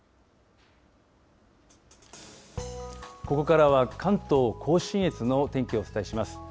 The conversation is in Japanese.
ここからは関東甲信越の天気をお伝えします。